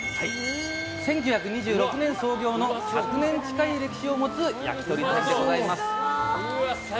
１９２６年創業の１００年近い歴史を持つ焼き鳥店でございます。